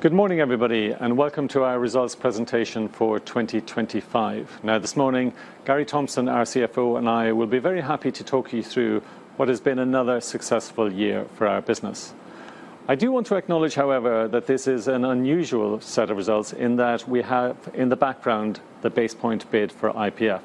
Good morning, everybody, and welcome to our Results Presentation for 2025. Now, this morning, Gary Thompson, our CFO, and I will be very happy to talk you through what has been another successful year for our business. I do want to acknowledge, however, that this is an unusual set of results in that we have, in the background, the BasePoint bid for IPF.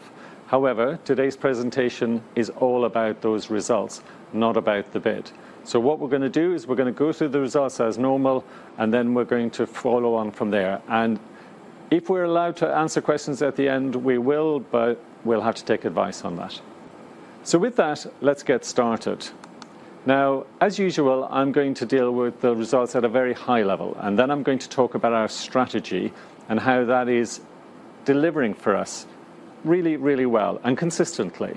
However, today's presentation is all about those results, not about the bid. What we're gonna do is we're gonna go through the results as normal, and then we're going to follow on from there. If we're allowed to answer questions at the end, we will, but we'll have to take advice on that. With that, let's get started. As usual, I'm going to deal with the results at a very high level, and then I'm going to talk about our strategy and how that is delivering for us really, really well and consistently.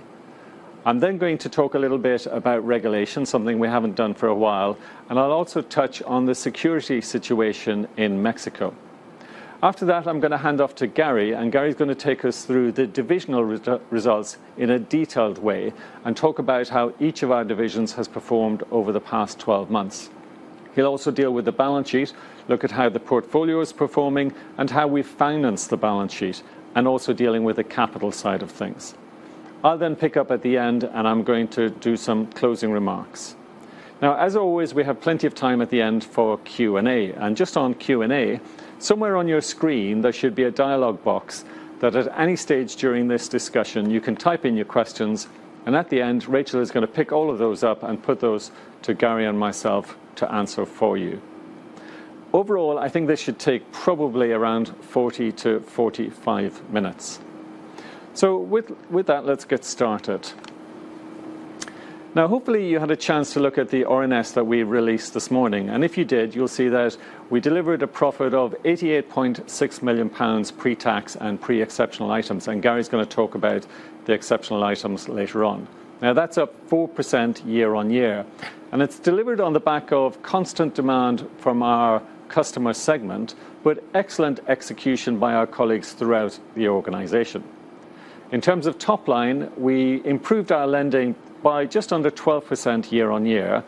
I'm going to talk a little bit about regulation, something we haven't done for a while, and I'll also touch on the security situation in Mexico. I'm gonna hand off to Gary, and Gary is gonna take us through the divisional results in a detailed way and talk about how each of our divisions has performed over the past 12 months. He'll also deal with the balance sheet, look at how the portfolio is performing, and how we finance the balance sheet, and also dealing with the capital side of things. I'll pick up at the end, and I'm going to do some closing remarks. Now, as always, we have plenty of time at the end for Q&A. Just on Q&A, somewhere on your screen, there should be a dialog box that at any stage during this discussion, you can type in your questions, and at the end, Rachel is gonna pick all of those up and put those to Gary and myself to answer for you. Overall, I think this should take probably around 40-45 minutes. With that, let's get started. Hopefully, you had a chance to look at the RNS that we released this morning, if you did, you'll see that we delivered a profit of 88.6 million pounds pre-tax and pre-exceptional items, Gary's gonna talk about the exceptional items later on. That's up 4% year-on-year, and it's delivered on the back of constant demand from our customer segment, but excellent execution by our colleagues throughout the organization. In terms of top line, we improved our lending by just under 12% year-on-year,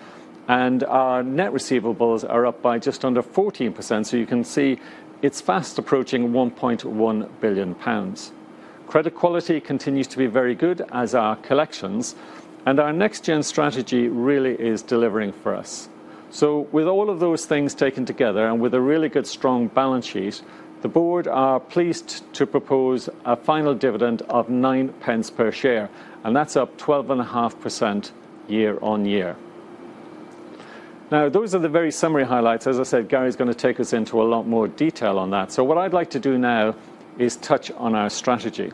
and our net receivables are up by just under 14%. You can see it's fast approaching 1.1 billion pounds. Credit quality continues to be very good as are collections, and our Next Gen strategy really is delivering for us. With all of those things taken together and with a really good, strong balance sheet, the board are pleased to propose a final dividend of 0.09 pence per share, and that's up 12.5% year-on-year. Those are the very summary highlights. As I said, Gary's gonna take us into a lot more detail on that. What I'd like to do now is touch on our strategy.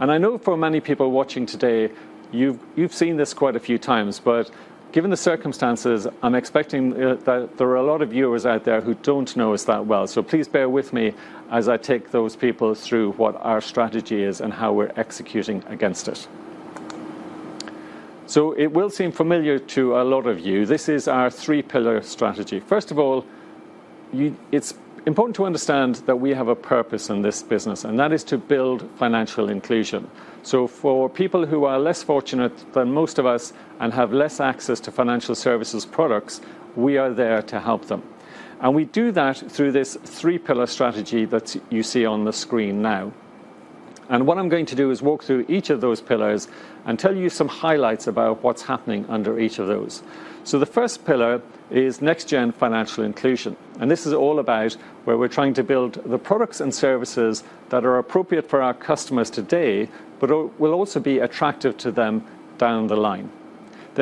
I know for many people watching today, you've seen this quite a few times, but given the circumstances, I'm expecting that there are a lot of viewers out there who don't know us that well. Please bear with me as I take those people through what our strategy is and how we're executing against it. It will seem familiar to a lot of you. This is our three pillar strategy. First of all, it's important to understand that we have a purpose in this business, and that is to build financial inclusion. For people who are less fortunate than most of us and have less access to financial services products, we are there to help them. We do that through this three pillar strategy that you see on the screen now. What I'm going to do is walk through each of those pillars and tell you some highlights about what's happening under each of those. The first pillar is Next Gen financial inclusion, and this is all about where we're trying to build the products and services that are appropriate for our customers today, but will also be attractive to them down the line.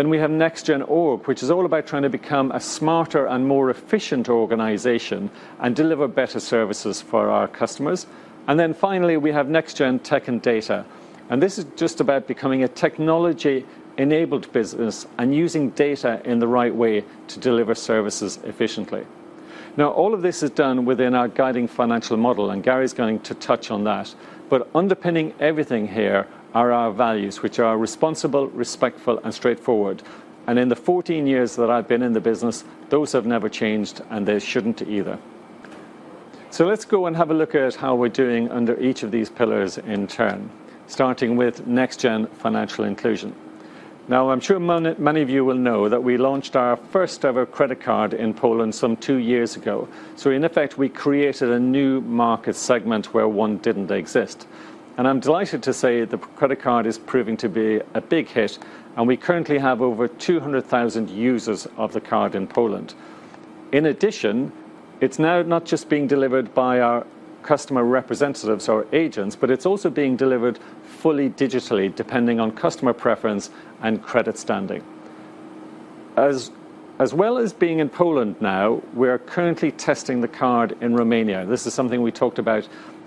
We have Next Gen organisation, which is all about trying to become a smarter and more efficient organization and deliver better services for our customers. Finally, we have Next Gen technology and data, and this is just about becoming a technology-enabled business and using data in the right way to deliver services efficiently. All of this is done within our guiding financial model, and Gary's going to touch on that. Underpinning everything here are our values, which are responsible, respectful, and straightforward. In the 14 years that I've been in the business, those have never changed, and they shouldn't either. Let's go and have a look at how we're doing under each of these pillars in turn, starting with Next Gen financial inclusion. I'm sure many of you will know that we launched our first-ever credit card in Poland some two years ago. In effect, we created a new market segment where one didn't exist. I'm delighted to say the credit card is proving to be a big hit, and we currently have over 200,000 users of the card in Poland. In addition, it's now not just being delivered by our customer representatives or agents, but it's also being delivered fully digitally, depending on customer preference and credit standing. As well as being in Poland now, we are currently testing the card in Romania. This is something we talked about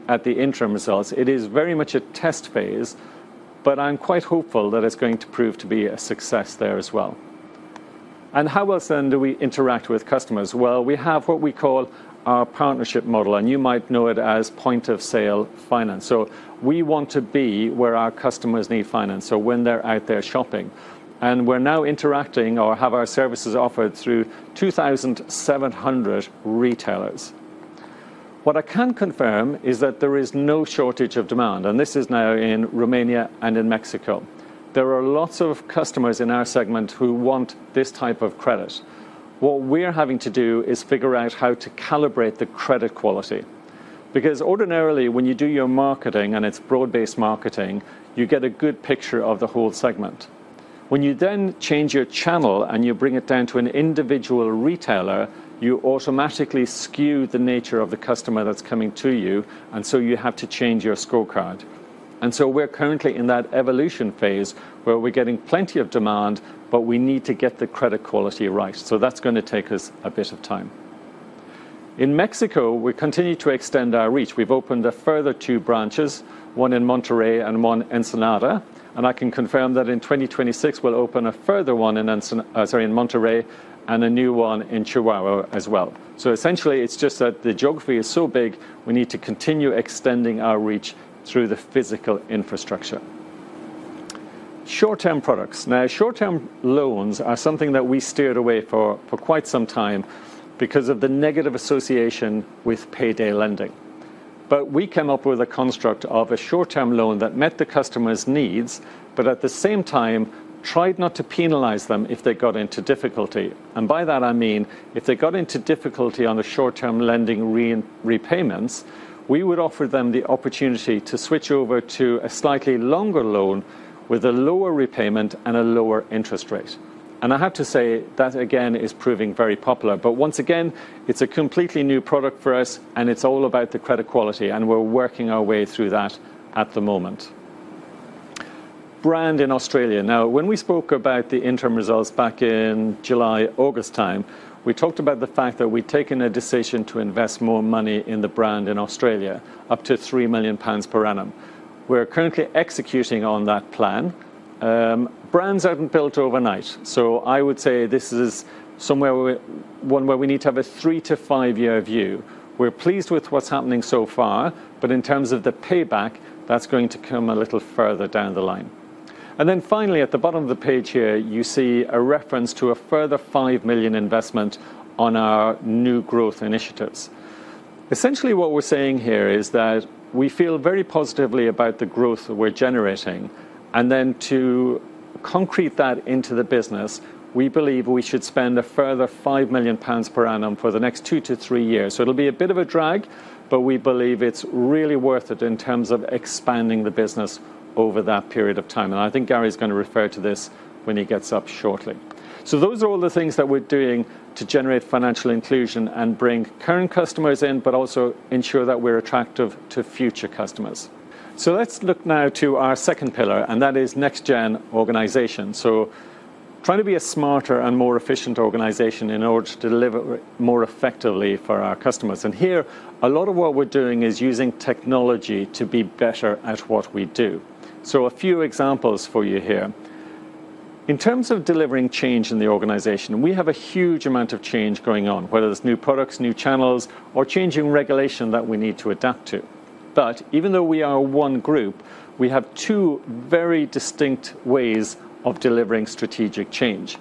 at the interim results. It is very much a test phase, but I'm quite hopeful that it's going to prove to be a success there as well. How else then do we interact with customers? Well, we have what we call our partnership model, and you might know it as point of sale finance. We want to be where our customers need finance, so when they're out there shopping. We're now interacting or have our services offered through 2,700 retailers. What I can confirm is that there is no shortage of demand, and this is now in Romania and in Mexico. There are lots of customers in our segment who want this type of credit. What we're having to do is figure out how to calibrate the credit quality. Because ordinarily, when you do your marketing, and it's broad-based marketing, you get a good picture of the whole segment. When you then change your channel and you bring it down to an individual retailer, you automatically skew the nature of the customer that's coming to you, and so you have to change your scorecard. We're currently in that evolution phase, where we're getting plenty of demand, but we need to get the credit quality right. That's gonna take us a bit of time. In Mexico, we continue to extend our reach. We've opened a further two branches, one in Monterrey and one Ensenada. I can confirm that in 2026, we'll open a further one in Monterrey, and a new one in Chihuahua as well. Essentially, it's just that the geography is so big, we need to continue extending our reach through the physical infrastructure. Short-term products. Short-term loans are something that we steered away for quite some time because of the negative association with payday lending. We came up with a construct of a short-term loan that met the customer's needs, but at the same time, tried not to penalize them if they got into difficulty. By that, I mean, if they got into difficulty on the short-term lending repayments, we would offer them the opportunity to switch over to a slightly longer loan with a lower repayment and a lower interest rate. I have to say that, again, is proving very popular. Once again, it's a completely new product for us, and it's all about the credit quality, and we're working our way through that at the moment. Brand in Australia. When we spoke about the interim results back in July, August time, we talked about the fact that we'd taken a decision to invest more money in the brand in Australia, up to 3 million pounds per annum. We're currently executing on that plan. Brands haven't built overnight, so I would say this is one where we need to have a three to five-year view. We're pleased with what's happening so far, in terms of the payback, that's going to come a little further down the line. Finally, at the bottom of the page here, you see a reference to a further 5 million investment on our new growth initiatives. Essentially, what we're saying here is that we feel very positively about the growth that we're generating, to concrete that into the business, we believe we should spend a further 5 million pounds per annum for the next two to three years. It'll be a bit of a drag, we believe it's really worth it in terms of expanding the business over that period of time. I think Gary is gonna refer to this when he gets up shortly. Those are all the things that we're doing to generate financial inclusion and bring current customers in, but also ensure that we're attractive to future customers. Let's look now to our second pillar, and that is Next Gen organisation. Trying to be a smarter and more efficient organization in order to deliver more effectively for our customers. Here, a lot of what we're doing is using technology to be better at what we do. A few examples for you here. In terms of delivering change in the organization, we have a huge amount of change going on, whether it's new products, new channels, or changing regulation that we need to adapt to. Even though we are one group, we have two very distinct ways of delivering strategic change.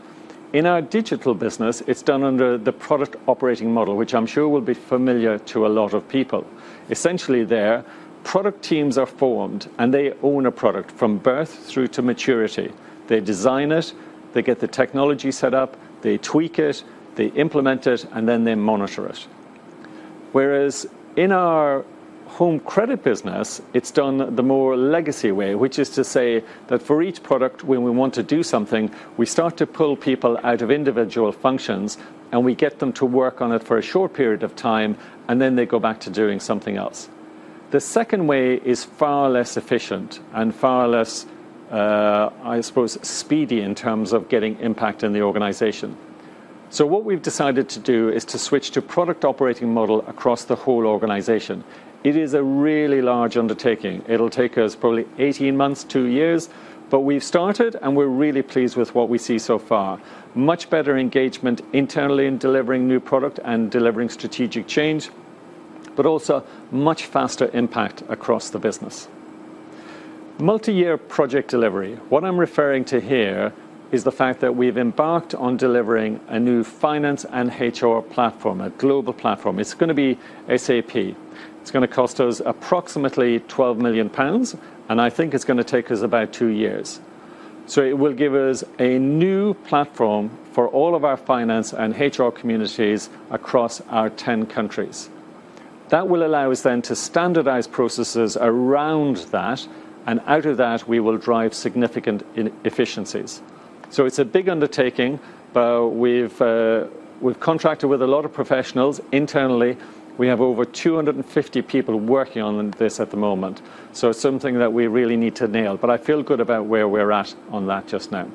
In our digital business, it's done under the product operating model, which I'm sure will be familiar to a lot of people. Essentially, there, product teams are formed, and they own a product from birth through to maturity. They design it, they get the technology set up, they tweak it, they implement it, and then they monitor it. Whereas in our home credit business, it's done the more legacy way, which is to say that for each product, when we want to do something, we start to pull people out of individual functions, and we get them to work on it for a short period of time, and then they go back to doing something else. The second way is far less efficient and far less, I suppose, speedy in terms of getting impact in the organization. What we've decided to do is to switch to product operating model across the whole organization. It is a really large undertaking. It'll take us probably 18 months, two years, but we've started, and we're really pleased with what we see so far. Much better engagement internally in delivering new product and delivering strategic change, but also much faster impact across the business. Multi-year project delivery. What I'm referring to here is the fact that we've embarked on delivering a new finance and HR platform, a global platform. It's gonna be SAP. It's gonna cost us approximately 12 million pounds, and I think it's gonna take us about two years. It will give us a new platform for all of our finance and HR communities across our 10 countries. That will allow us then to standardize processes around that, and out of that, we will drive significant efficiencies. It's a big undertaking, but we've contracted with a lot of professionals internally. We have over 250 people working on this at the moment. It's something that we really need to nail, but I feel good about where we're at on that just now.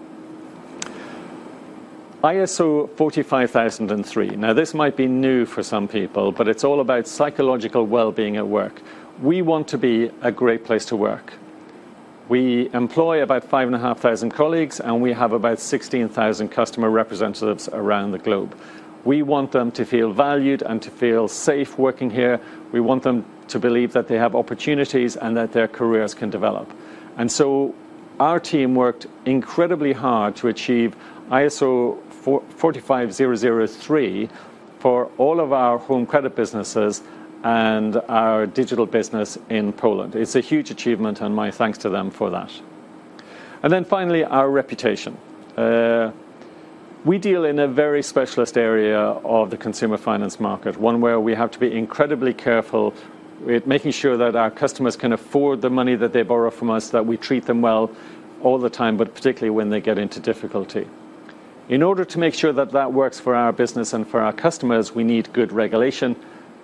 ISO 45003. This might be new for some people, but it's all about psychological well-being at work. We want to be a great place to work. We employ about 5,500 colleagues, and we have about 16,000 customer representatives around the globe. We want them to feel valued and to feel safe working here. We want them to believe that they have opportunities and that their careers can develop. Our team worked incredibly hard to achieve ISO 45003 for all of our home credit businesses and our digital business in Poland. It's a huge achievement, and my thanks to them for that. Finally, our reputation. We deal in a very specialist area of the consumer finance market, one where we have to be incredibly careful with making sure that our customers can afford the money that they borrow from us, that we treat them well all the time, but particularly when they get into difficulty. In order to make sure that that works for our business and for our customers, we need good regulation.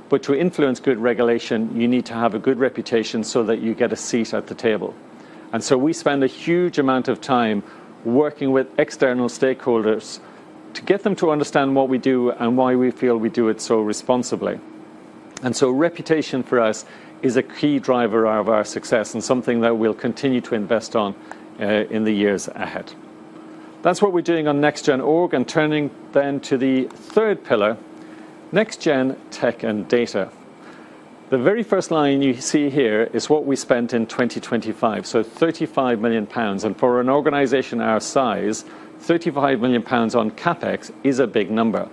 To influence good regulation, you need to have a good reputation so that you get a seat at the table. We spend a huge amount of time working with external stakeholders to get them to understand what we do and why we feel we do it so responsibly. Reputation for us is a key driver of our success and something that we'll continue to invest on in the years ahead. That's what we're doing on Next Gen Org, and turning then to the third pillar, Next Gen Tech and Data. The very first line you see here is what we spent in 2025, so 35 million pounds. For an organization our size, 35 million pounds on CapEx is a big number.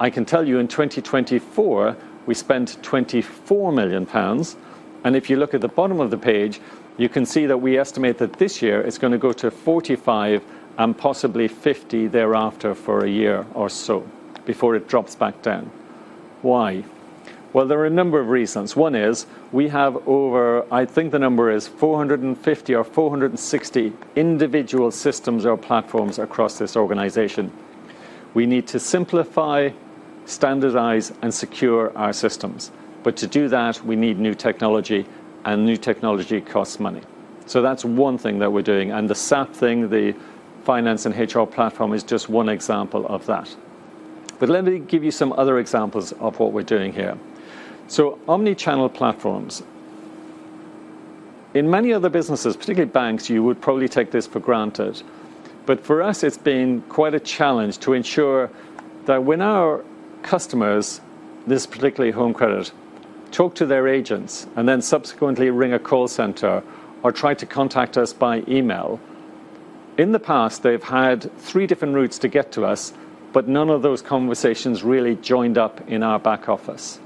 I can tell you in 2024, we spent 24 million pounds. If you look at the bottom of the page, you can see that we estimate that this year it's going to go to 45 million and possibly 50 million thereafter for a year or so before it drops back down. Why? Well, there are a number of reasons. One is we have over I think the number is 450 or 460 individual systems or platforms across this organization. We need to simplify, standardize, and secure our systems. To do that, we need new technology, and new technology costs money. That's one thing that we're doing. The SAP thing, the finance and HR platform, is just one example of that. Let me give you some other examples of what we're doing here. Omni-channel platforms. In many other businesses, particularly banks, you would probably take this for granted. For us, it's been quite a challenge to ensure that when our customers, this particularly home credit, talk to their agents and then subsequently ring a call center or try to contact us by email, in the past, they've had three different routes to get to us, but none of those conversations really joined up in our back office.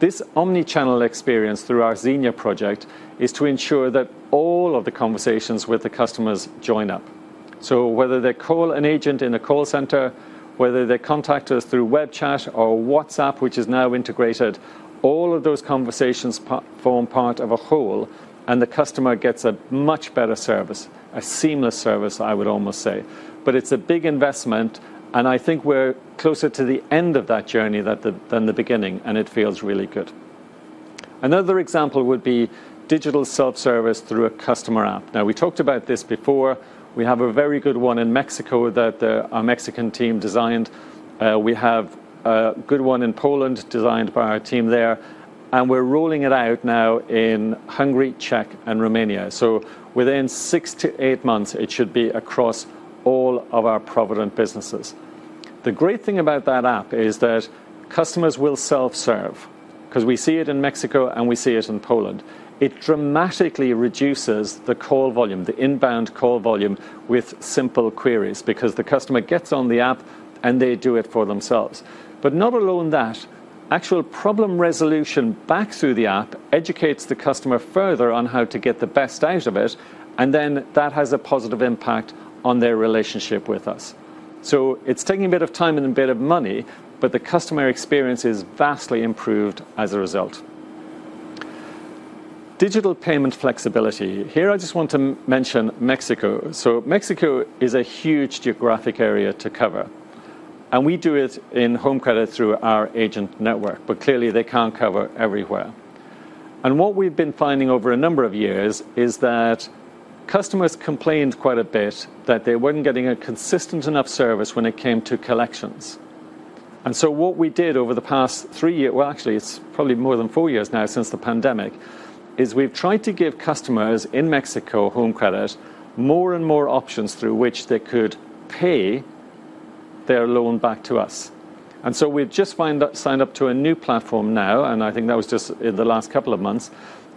This omnichannel experience through our Xenia project is to ensure that all of the conversations with the customers join up. Whether they call an agent in a call center, whether they contact us through web chat or WhatsApp, which is now integrated, all of those conversations form part of a whole, and the customer gets a much better service, a seamless service, I would almost say. It's a big investment, and I think we're closer to the end of that journey than the beginning, and it feels really good. Another example would be digital self-service through a customer app. We talked about this before. We have a very good one in Mexico that our Mexican team designed. We have a good one in Poland, designed by our team there, and we're rolling it out now in Hungary, Czech, and Romania. Within six to eight months, it should be across all of our Provident businesses. The great thing about that app is that customers will self-serve, 'cause we see it in Mexico, and we see it in Poland. It dramatically reduces the call volume, the inbound call volume, with simple queries, because the customer gets on the app, and they do it for themselves. Not alone that, actual problem resolution back through the app educates the customer further on how to get the best out of it, and then that has a positive impact on their relationship with us. It's taking a bit of time and a bit of money, but the customer experience is vastly improved as a result. Digital payment flexibility. Here, I just want to mention Mexico. Mexico is a huge geographic area to cover, and we do it in home credit through our agent network, but clearly, they can't cover everywhere. What we've been finding over a number of years is that customers complained quite a bit that they weren't getting a consistent enough service when it came to collections. So what we did over the past three year. Well, actually, it's probably more than four years now since the pandemic, is we've tried to give customers in Mexico home credit, more and more options through which they could pay their loan back to us. We've just signed up to a new platform now, and I think that was just in the last couple of months.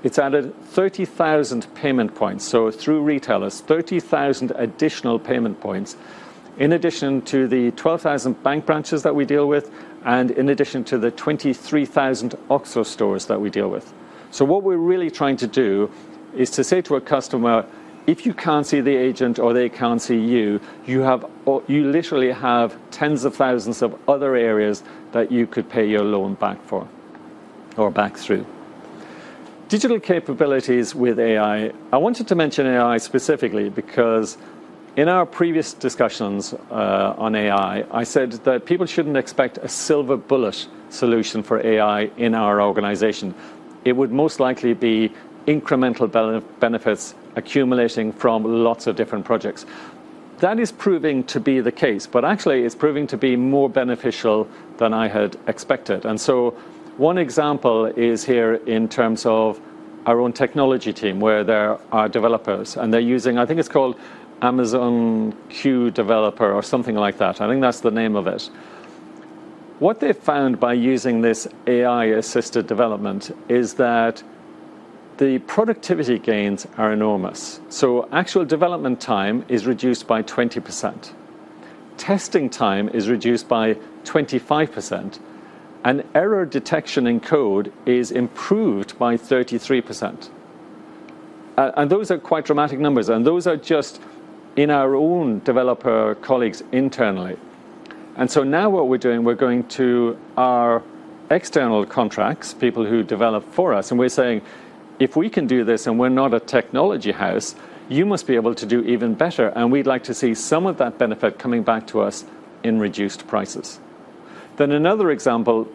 It's added 30,000 payment points, so through retailers, 30,000 additional payment points, in addition to the 12,000 bank branches that we deal with, and in addition to the 23,000 OXXO stores that we deal with. What we're really trying to do is to say to a customer, "If you can't see the agent or they can't see you literally have tens of thousands of other areas that you could pay your loan back for or back through." Digital capabilities with AI. I wanted to mention AI specifically because in our previous discussions on AI, I said that people shouldn't expect a silver bullet solution for AI in our organization. It would most likely be incremental benefits accumulating from lots of different projects. That is proving to be the case, but actually, it's proving to be more beneficial than I had expected. One example is here in terms of our own technology team, where there are developers, and they're using, I think it's called Amazon Q Developer or something like that. I think that's the name of it. What they found by using this AI-assisted development is that the productivity gains are enormous. Actual development time is reduced by 20%, testing time is reduced by 25%, and error detection in code is improved by 33%. Those are quite dramatic numbers, and those are just in our own developer colleagues internally. Now what we're doing, we're going to our external contracts, people who develop for us, and we're saying: "If we can do this, and we're not a technology house, you must be able to do even better, and we'd like to see some of that benefit coming back to us in reduced prices." Another example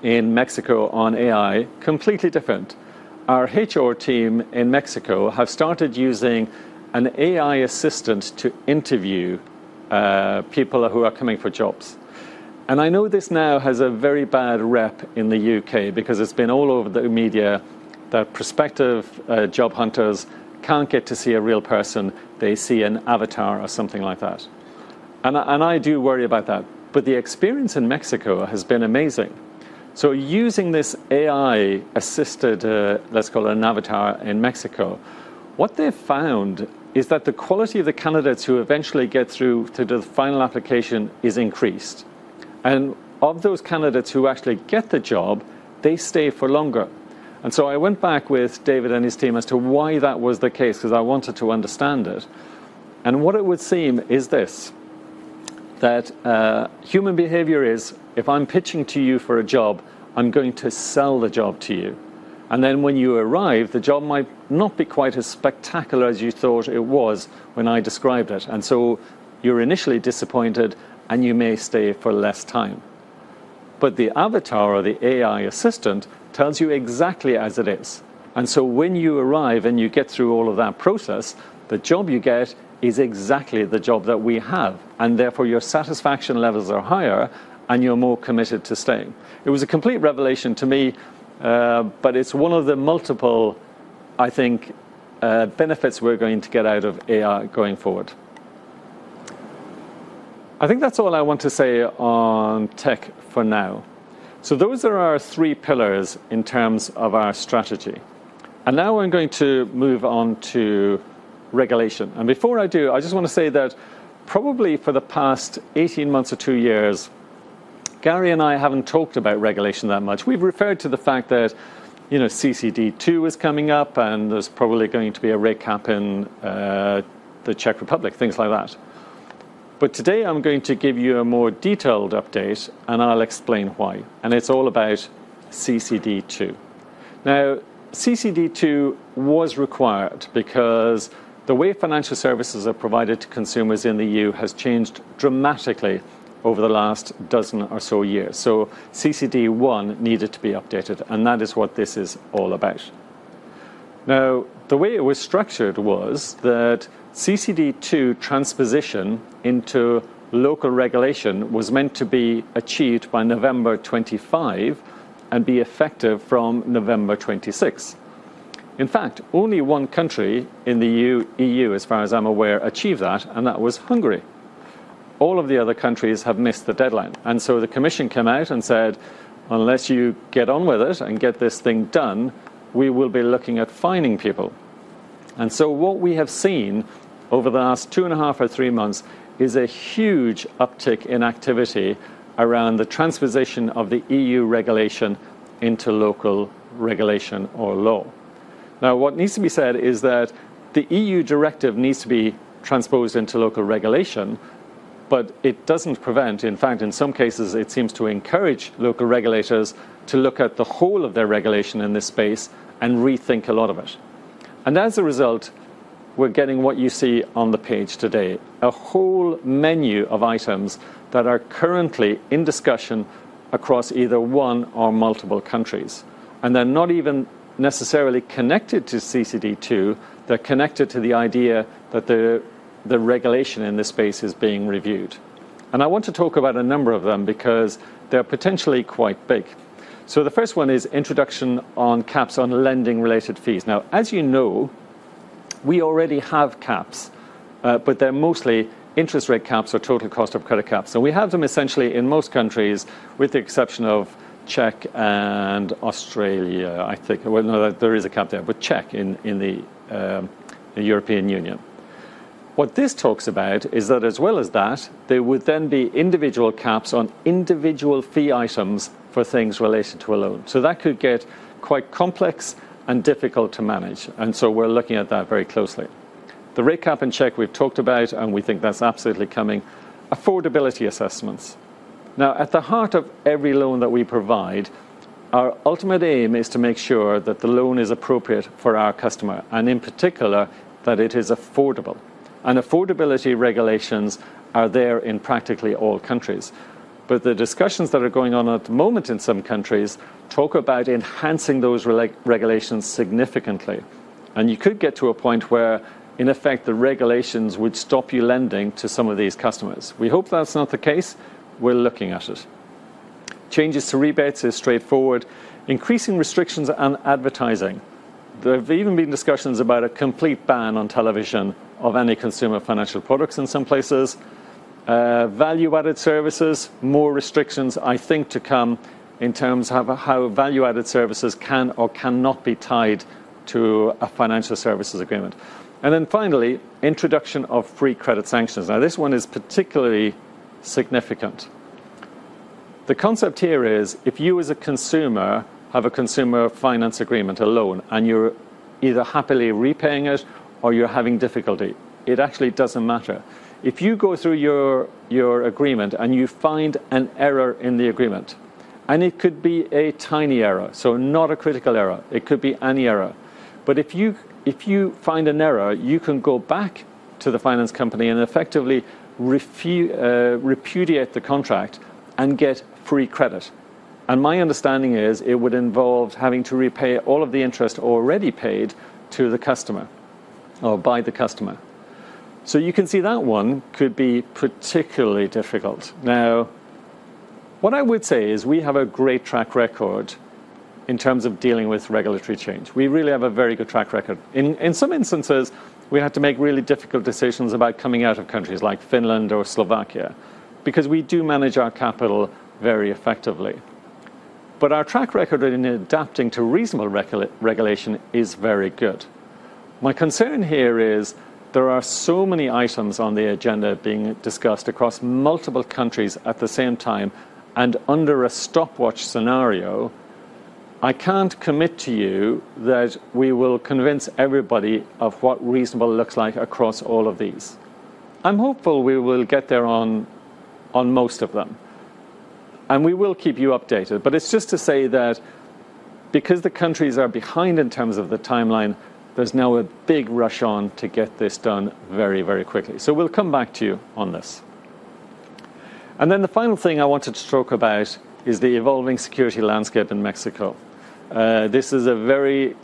in Mexico on AI, completely different. Our HR team in Mexico have started using an AI assistant to interview people who are coming for jobs. I know this now has a very bad rep in the U.K. because it's been all over the media that prospective job hunters can't get to see a real person, they see an avatar or something like that. I do worry about that, but the experience in Mexico has been amazing. Using this AI-assisted, let's call it an avatar, in Mexico, what they found is that the quality of the candidates who eventually get through to the final application is increased. Of those candidates who actually get the job, they stay for longer. I went back with David and his team as to why that was the case, because I wanted to understand it. What it would seem is this, that human behavior is, if I'm pitching to you for a job, I'm going to sell the job to you. When you arrive, the job might not be quite as spectacular as you thought it was when I described it, and so you're initially disappointed, and you may stay for less time. The avatar or the AI assistant tells you exactly as it is, and so when you arrive and you get through all of that process, the job you get is exactly the job that we have, and therefore, your satisfaction levels are higher, and you're more committed to staying. It was a complete revelation to me, but it's one of the multiple, I think, benefits we're going to get out of AI going forward. I think that's all I want to say on tech for now. Those are our three pillars in terms of our strategy. Now I'm going to move on to regulation. Before I do, I just want to say that probably for the past 18 months or two years, Gary and I haven't talked about regulation that much. We've referred to the fact that, you know, CCD2 is coming up, and there's probably going to be a rate cap in the Czech Republic, things like that. Today I'm going to give you a more detailed update, and I'll explain why. It's all about CCD2. CCD2 was required because the way financial services are provided to consumers in the EU has changed dramatically over the last 12 or so years. CCD1 needed to be updated, and that is what this is all about. The way it was structured was that CCD2 transposition into local regulation was meant to be achieved by November 25 and be effective from November 26th. In fact, only one country in the EU, as far as I'm aware, achieved that, and that was Hungary. All of the other countries have missed the deadline. The commission came out and said, "Unless you get on with it and get this thing done, we will be looking at fining people." What we have seen over the last two and a half or three months is a huge uptick in activity around the transposition of the EU regulation into local regulation or law. What needs to be said is that the EU directive needs to be transposed into local regulation, but it doesn't prevent, in fact, in some cases, it seems to encourage local regulators to look at the whole of their regulation in this space and rethink a lot of it. As a result, we're getting what you see on the page today, a whole menu of items that are currently in discussion across either one or multiple countries. They're not even necessarily connected to CCD2, they're connected to the idea that the regulation in this space is being reviewed. I want to talk about a number of them because they're potentially quite big. The first one is introduction on caps on lending-related fees. Now, as you know, we already have caps, but they're mostly interest rate caps or total cost of credit caps. We have them essentially in most countries, with the exception of Czech and Australia, I think. No, there is a cap there, but Czech in the European Union. What this talks about is that as well as that, there would then be individual caps on individual fee items for things related to a loan. That could get quite complex and difficult to manage, we're looking at that very closely. The rate cap in Czech we've talked about, and we think that's absolutely coming. Affordability assessments. At the heart of every loan that we provide, our ultimate aim is to make sure that the loan is appropriate for our customer, and in particular, that it is affordable. Affordability regulations are there in practically all countries. The discussions that are going on at the moment in some countries talk about enhancing those regulations significantly. You could get to a point where, in effect, the regulations would stop you lending to some of these customers. We hope that's not the case. We're looking at it. Changes to rebates is straightforward. Increasing restrictions on advertising. There have even been discussions about a complete ban on television of any consumer financial products in some places. Value-added services, more restrictions, I think, to come in terms of how value-added services can or cannot be tied to a financial services agreement. Finally, introduction of free credit sanctions. This one is particularly significant. The concept here is if you, as a consumer, have a consumer finance agreement, a loan, and you're either happily repaying it or you're having difficulty, it actually doesn't matter. If you go through your agreement and you find an error in the agreement, and it could be a tiny error, so not a critical error, it could be any error, but if you, if you find an error, you can go back to the finance company and effectively repudiate the contract and get free credit. My understanding is it would involve having to repay all of the interest already paid to the customer or by the customer. You can see that one could be particularly difficult. Now, what I would say is we have a great track record in terms of dealing with regulatory change. We really have a very good track record. In some instances, we had to make really difficult decisions about coming out of countries like Finland or Slovakia, because we do manage our capital very effectively. Our track record in adapting to reasonable regulation is very good. My concern here is there are so many items on the agenda being discussed across multiple countries at the same time, and under a stopwatch scenario, I can't commit to you that we will convince everybody of what reasonable looks like across all of these. I'm hopeful we will get there on most of them, and we will keep you updated. It's just to say that because the countries are behind in terms of the timeline, there's now a big rush on to get this done very, very quickly. We'll come back to you on this. The final thing I wanted to talk about is the evolving security landscape in Mexico. This is a very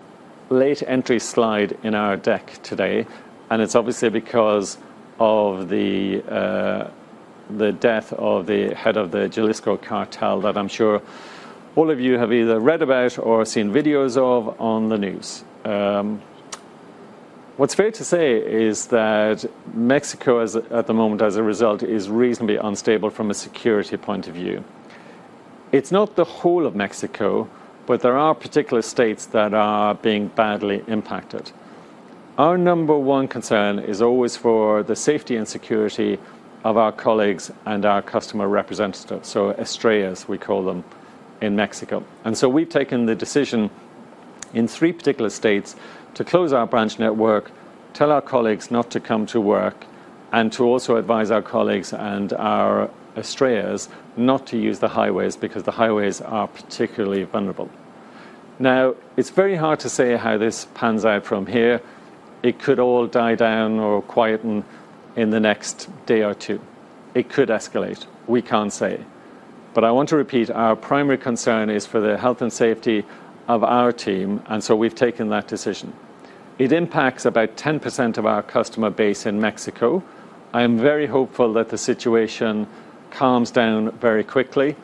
late entry slide in our deck today, and it's obviously because of the death of the head of the Jalisco cartel that I'm sure all of you have either read about or seen videos of on the news. What's fair to say is that Mexico is, at the moment, as a result, is reasonably unstable from a security point of view. It's not the whole of Mexico, but there are particular states that are being badly impacted. Our number one concern is always for the safety and security of our colleagues and our customer representatives, so Estrellas, we call them in Mexico. We've taken the decision in three particular states to close our branch network, tell our colleagues not to come to work, and to also advise our colleagues and our Estrellas not to use the highways because the highways are particularly vulnerable. Now, it's very hard to say how this pans out from here. It could all die down or quieten in the next day or two. It could escalate. We can't say. I want to repeat, our primary concern is for the health and safety of our team, and so we've taken that decision. It impacts about 10% of our customer base in Mexico. I am very hopeful that the situation calms down very quickly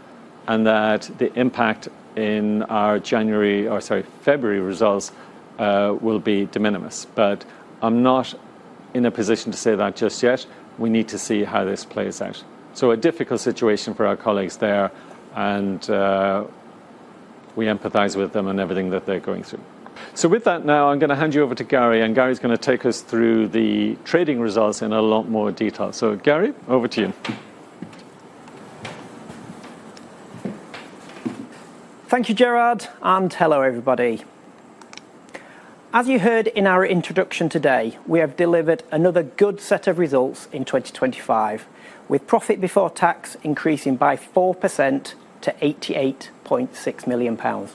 and that the impact in our January, or sorry, February results, will be de minimis. I'm not in a position to say that just yet. We need to see how this plays out. A difficult situation for our colleagues there, and we empathize with them and everything that they're going through. With that now, I'm going to hand you over to Gary, and Gary's going to take us through the trading results in a lot more detail. Gary, over to you. Thank you, Gerard. Hello, everybody. As you heard in our introduction today, we have delivered another good set of results in 2025, with profit before tax increasing by 4% to 88.6 million pounds.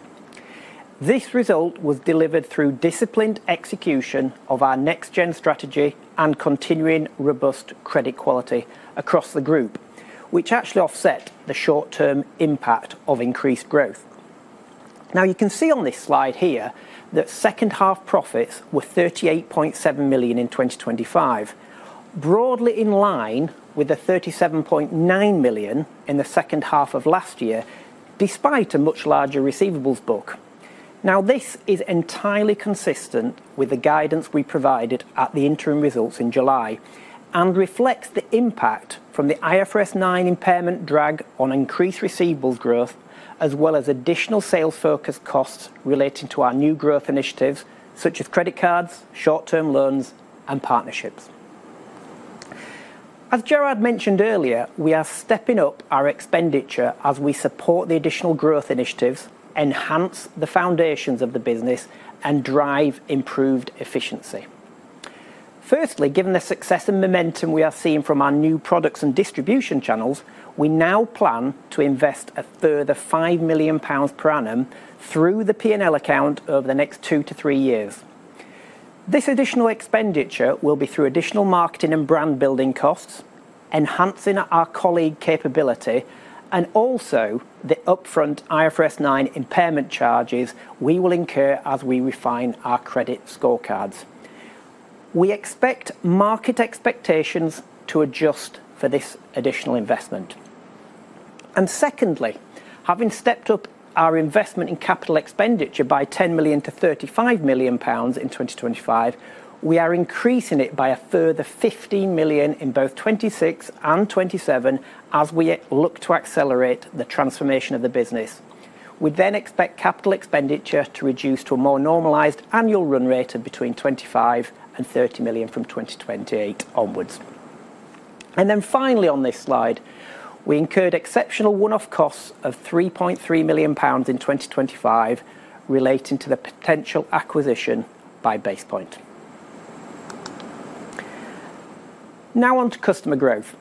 This result was delivered through disciplined execution of our Next Gen strategy and continuing robust credit quality across the group, which actually offset the short-term impact of increased growth. You can see on this slide here that second half profits were 38.7 million in 2025, broadly in line with the 37.9 million in the second half of last year, despite a much larger receivables book. This is entirely consistent with the guidance we provided at the interim results in July and reflects the impact from the IFRS 9 impairment drag on increased receivables growth, as well as additional sales-focused costs relating to our new growth initiatives, such as credit cards, short-term loans, and partnerships. As Gerard mentioned earlier, we are stepping up our expenditure as we support the additional growth initiatives, enhance the foundations of the business, and drive improved efficiency. Firstly, given the success and momentum we are seeing from our new products and distribution channels, we now plan to invest a further 5 million pounds per annum through the P&L account over the next two to three years. This additional expenditure will be through additional marketing and brand building costs, enhancing our colleague capability, and also the upfront IFRS 9 impairment charges we will incur as we refine our credit scorecards. We expect market expectations to adjust for this additional investment. Secondly, having stepped up our investment in capital expenditure by 10 million to 35 million pounds in 2025, we are increasing it by a further 15 million in both 2026 and 2027 as we look to accelerate the transformation of the business. We expect Capital Expenditure to reduce to a more normalized annual run rate of between 25 million and 30 million from 2028 onwards. Finally, on this slide, we incurred exceptional one-off costs of 3.3 million pounds in 2025 relating to the potential acquisition by BasePoint. Now on to customer growth.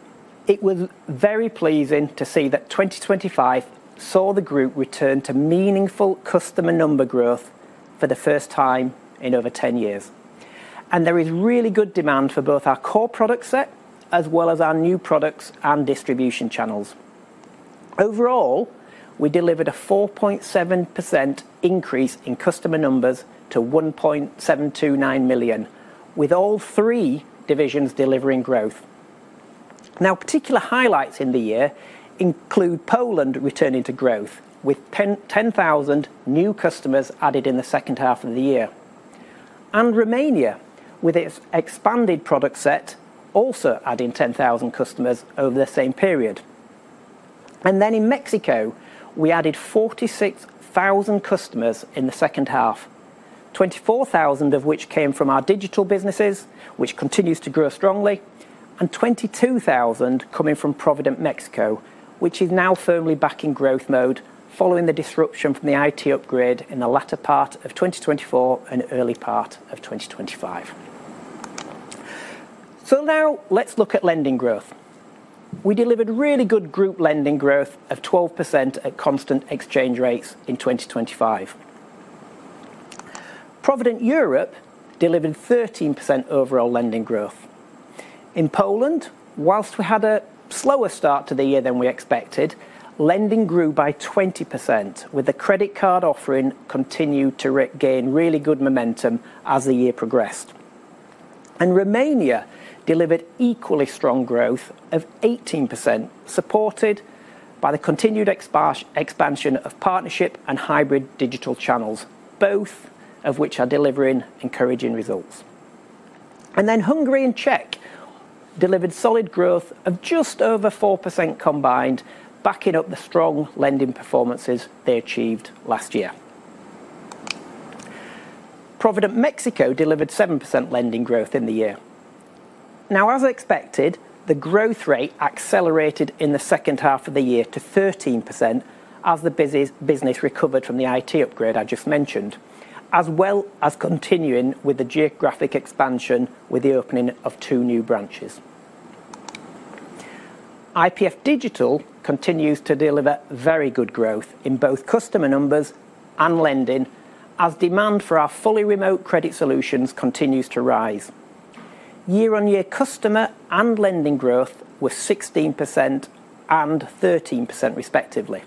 It was very pleasing to see that 2025 saw the group return to meaningful customer number growth for the first time in over 10 years, and there is really good demand for both our core product set as well as our new products and distribution channels. Overall, we delivered a 4.7% increase in customer numbers to 1.729 million, with all three divisions delivering growth. Particular highlights in the year include Poland returning to growth, with 10,000 new customers added in the second half of the year. Romania, with its expanded product set, also adding 10,000 customers over the same period. In Mexico, we added 46,000 customers in the second half, 24,000 of which came from our digital businesses, which continues to grow strongly, and 22,000 coming from Provident Mexico, which is now firmly back in growth mode following the disruption from the IT upgrade in the latter part of 2024 and early part of 2025. Let's look at lending growth. We delivered really good group lending growth of 12% at constant exchange rates in 2025. Provident Europe delivered 13% overall lending growth. In Poland, whilst we had a slower start to the year than we expected, lending grew by 20%, with the credit card offering continued to regain really good momentum as the year progressed. Romania delivered equally strong growth of 18%, supported by the continued expansion of partnership and hybrid digital channels, both of which are delivering encouraging results. Hungary and Czech delivered solid growth of just over 4% combined, backing up the strong lending performances they achieved last year. Provident Mexico delivered 7% lending growth in the year. As expected, the growth rate accelerated in the second half of the year to 13% as the business recovered from the IT upgrade I just mentioned, as well as continuing with the geographic expansion with the opening of two new branches. IPF Digital continues to deliver very good growth in both customer numbers and lending, as demand for our fully remote credit solutions continues to rise. Year-on-year customer and lending growth were 16% and 13% respectively.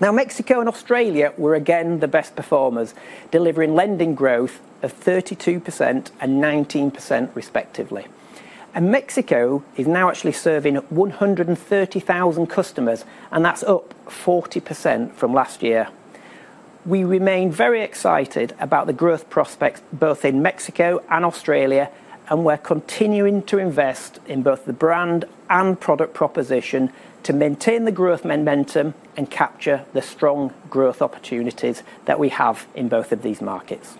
Mexico and Australia were again the best performers, delivering lending growth of 32% and 19% respectively. Mexico is now actually serving 130,000 customers, and that's up 40% from last year. We remain very excited about the growth prospects both in Mexico and Australia, and we're continuing to invest in both the brand and product proposition to maintain the growth momentum and capture the strong growth opportunities that we have in both of these markets.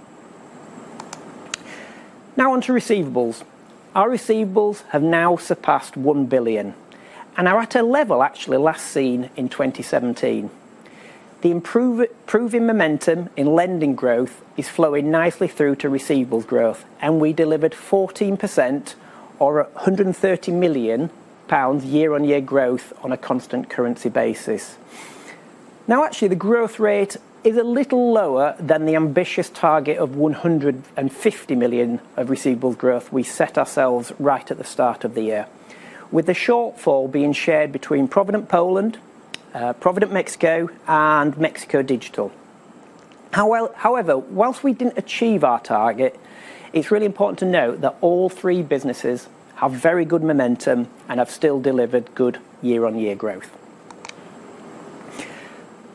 On to receivables. Our receivables have now surpassed 1 billion and are at a level actually last seen in 2017. The improving momentum in lending growth is flowing nicely through to receivables growth, and we delivered 14% or 130 million pounds year-on-year growth on a constant currency basis. Actually, the growth rate is a little lower than the ambitious target of 150 million of receivables growth we set ourselves right at the start of the year, with the shortfall being shared between Provident Poland, Provident Mexico, and Mexico Digital. However, whilst we didn't achieve our target, it's really important to note that all three businesses have very good momentum and have still delivered good year-on-year growth.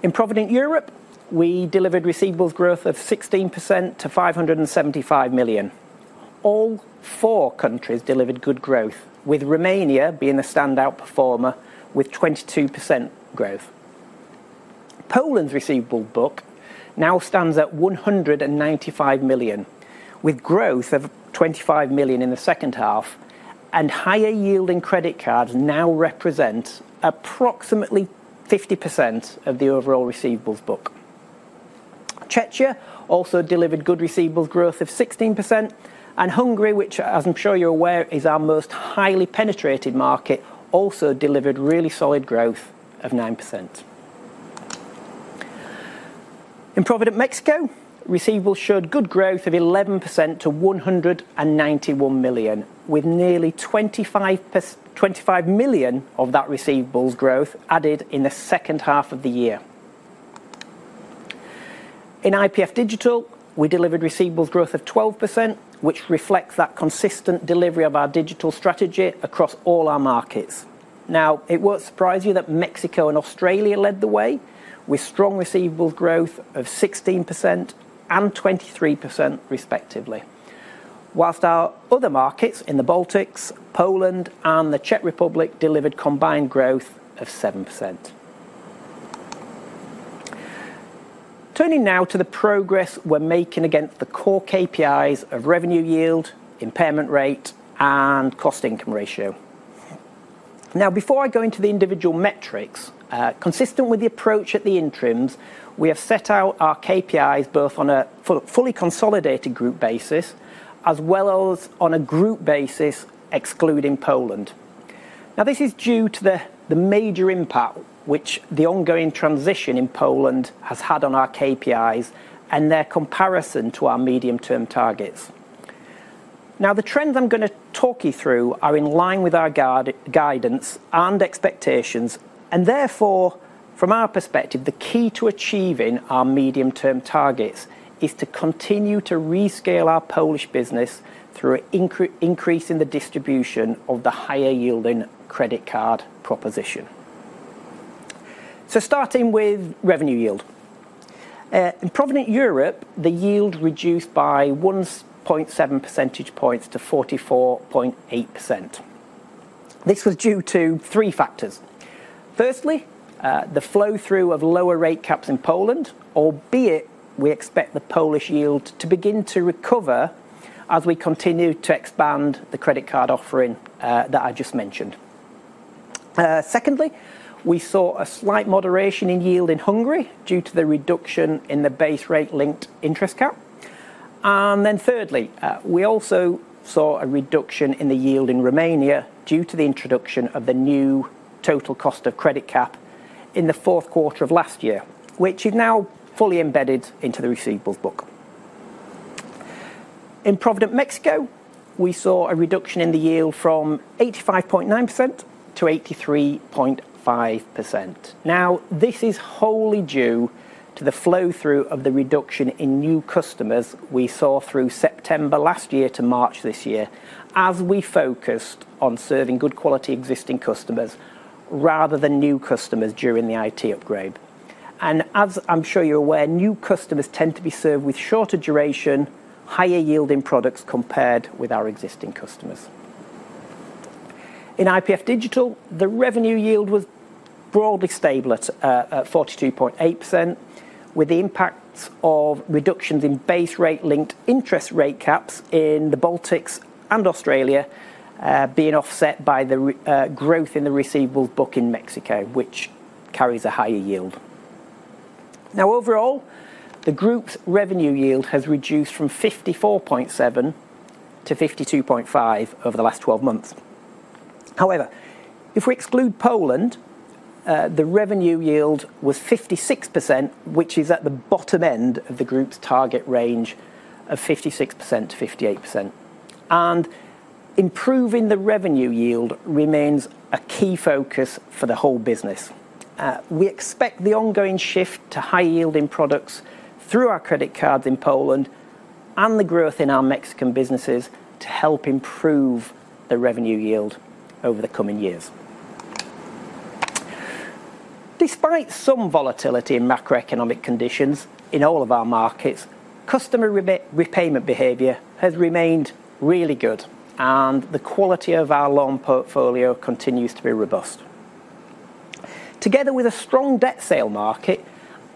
In Provident Europe, we delivered receivables growth of 16% to 575 million. All four countries delivered good growth, with Romania being the standout performer with 22% growth. Poland's receivable book now stands at 195 million, with growth of 25 million in the second half, and higher-yielding credit cards now represent approximately 50% of the overall receivables book. Czechia also delivered good receivables growth of 16%, and Hungary, which, as I'm sure you're aware, is our most highly penetrated market, also delivered really solid growth of 9%. In Provident Mexico, receivables showed good growth of 11% to 191 million, with nearly 25 million of that receivables growth added in the second half of the year. In IPF Digital, we delivered receivables growth of 12%, which reflects that consistent delivery of our digital strategy across all our markets. It won't surprise you that Mexico and Australia led the way, with strong receivables growth of 16% and 23% respectively. Our other markets in the Baltics, Poland, and the Czech Republic delivered combined growth of 7%. Turning now to the progress we're making against the core KPIs of revenue yield, impairment rate, and cost-income ratio. Before I go into the individual metrics, consistent with the approach at the interims, we have set out our KPIs both on a fully consolidated group basis, as well as on a group basis, excluding Poland. This is due to the major impact which the ongoing transition in Poland has had on our KPIs and their comparison to our medium-term targets. The trends I'm gonna talk you through are in line with our guidance and expectations, and therefore, from our perspective, the key to achieving our medium-term targets is to continue to rescale our Polish business through increasing the distribution of the higher-yielding credit card proposition. Starting with revenue yield. In Provident Europe, the yield reduced by 1.7 percentage points to 44.8%. This was due to three factors. Firstly, the flow-through of lower rate caps in Poland, albeit we expect the Polish yield to begin to recover as we continue to expand the credit card offering that I just mentioned. Secondly, we saw a slight moderation in yield in Hungary due to the reduction in the base rate linked interest cap. Thirdly, we also saw a reduction in the yield in Romania due to the introduction of the new total cost of credit cap in the fourth quarter of last year, which is now fully embedded into the receivables book. In Provident Mexico, we saw a reduction in the yield from 85.9%-83.5%. This is wholly due to the flow-through of the reduction in new customers we saw through September last year to March this year, as we focused on serving good quality existing customers rather than new customers during the IT upgrade. As I'm sure you're aware, new customers tend to be served with shorter duration, higher yielding products compared with our existing customers. In IPF Digital, the revenue yield was broadly stable at 42.8%, with the impacts of reductions in base rate linked interest rate caps in the Baltics and Australia, being offset by the growth in the receivables book in Mexico, which carries a higher yield. Overall, the group's revenue yield has reduced from 54.7%-52.5% over the last 12 months. However, if we exclude Poland, the revenue yield was 56%, which is at the bottom end of the group's target range of 56%-58%. Improving the revenue yield remains a key focus for the whole business. We expect the ongoing shift to high-yielding products through our credit cards in Poland and the growth in our Mexican businesses to help improve the revenue yield over the coming years. Despite some volatility in macroeconomic conditions in all of our markets, customer repayment behavior has remained really good, and the quality of our loan portfolio continues to be robust. Together with a strong debt sale market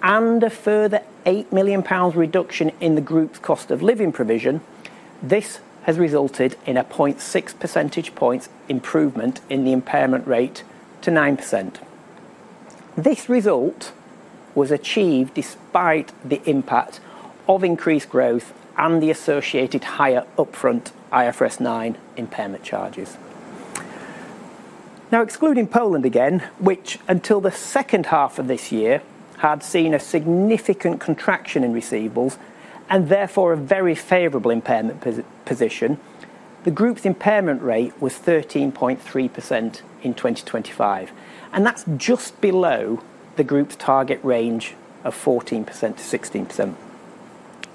and a further 8 million pounds reduction in the group's cost of living provision, this has resulted in a 0.6 percentage points improvement in the impairment rate to 9%. This result was achieved despite the impact of increased growth and the associated higher upfront IFRS 9 impairment charges. Excluding Poland again, which until the second half of this year, had seen a significant contraction in receivables, and therefore a very favorable impairment position, the group's impairment rate was 13.3% in 2025, and that's just below the group's target range of 14%-16%.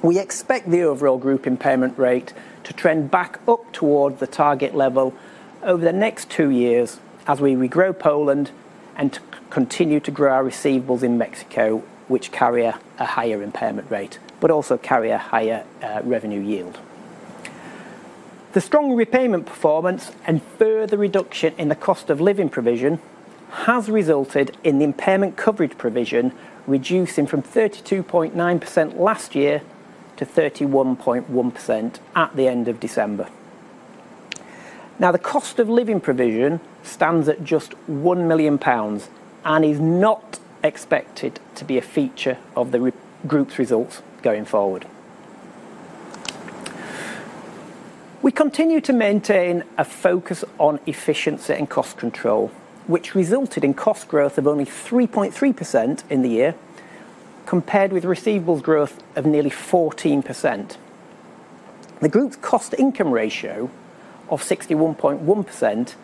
We expect the overall group impairment rate to trend back up toward the target level over the next two years as we regrow Poland and continue to grow our receivables in Mexico, which carry a higher impairment rate, but also carry a higher revenue yield. The strong repayment performance and further reduction in the cost of living provision has resulted in the impairment coverage provision, reducing from 32.9% last year to 31.1% at the end of December. The cost of living provision stands at just 1 million pounds and is not expected to be a feature of the group's results going forward. We continue to maintain a focus on efficiency and cost control, which resulted in cost growth of only 3.3% in the year, compared with receivables growth of nearly 14%. The group's cost-income ratio of 61.1%